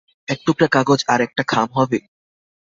এক টুকরা কাগজ আর একটা খাম হবে?